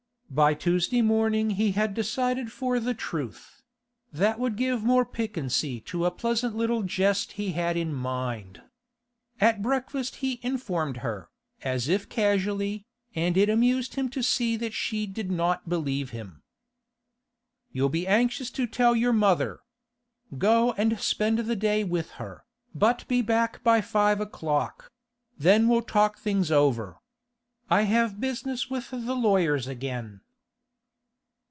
By Tuesday morning he had decided for the truth; that would give more piquancy to a pleasant little jest he had in mind. At breakfast he informed her, as if casually, and it amused him to see that she did not believe him. 'You'll be anxious to tell your mother. Go and spend the day with her, but be back by five o'clock; then we'll talk things over. I have business with the lawyers again.